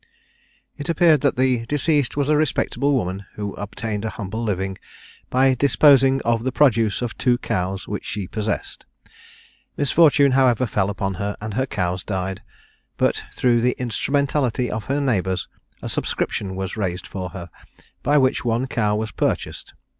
It appeared that the deceased was a respectable woman, who obtained an humble living by disposing of the produce of two cows which she possessed. Misfortune, however, fell upon her, and her cows died; but through the instrumentality of her neighbours a subscription was raised for her, by which one cow was purchased.